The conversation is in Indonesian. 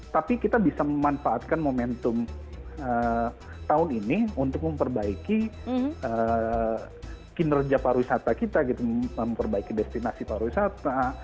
tapi kita bisa memanfaatkan momentum tahun ini untuk memperbaiki kinerja pariwisata kita memperbaiki destinasi pariwisata